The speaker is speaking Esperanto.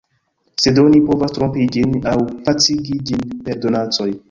Sed oni povas trompi ĝin aŭ pacigi ĝin per donacoj.